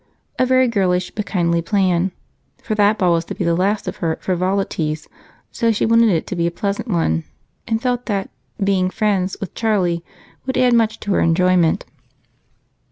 A very girlish but kindly plan, for that ball was to be the last of her frivolities, so she wanted it to be a pleasant one and felt that "being friends" with Charlie would add much to her enjoyment.